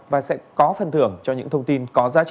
và sẽ có phân thưởng cho những thông tin